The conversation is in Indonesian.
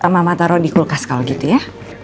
mama taruh di kulkas kalau gitu ya